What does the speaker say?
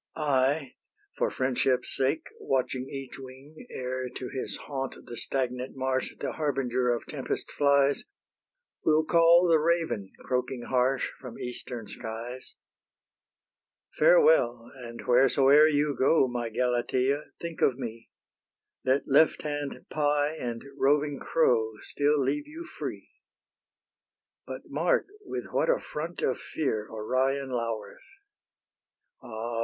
I, for friendship's sake, Watching each wing, Ere to his haunt, the stagnant marsh, The harbinger of tempest flies, Will call the raven, croaking harsh, From eastern skies. Farewell! and wheresoe'er you go, My Galatea, think of me: Let lefthand pie and roving crow Still leave you free. But mark with what a front of fear Orion lowers. Ah!